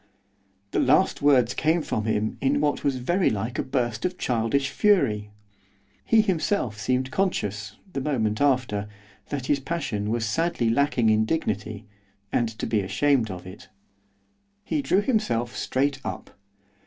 The last words came from him in what was very like a burst of childish fury. He himself seemed conscious, the moment after, that his passion was sadly lacking in dignity, and to be ashamed of it. He drew himself straight up.